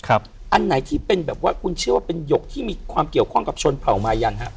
อันไหนที่เป็นแบบว่าคุณเชื่อว่าเป็นหยกที่มีความเกี่ยวข้องกับชนเผ่ามายังฮะ